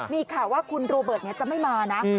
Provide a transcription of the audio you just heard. มีข่าวว่าคุณโรเบิร์ตจะไม่มานะ